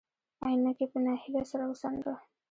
عينکي په نهيلۍ سر وڅنډه.